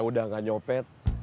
dia udah gak nyopet